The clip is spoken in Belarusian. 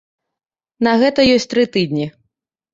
На гэта ёсць тры тыдні.